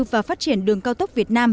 và phát triển đường cao tốc việt nam